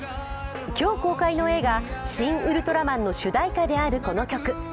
今日公開の映画「シン・ウルトラマン」の主題歌である、この曲。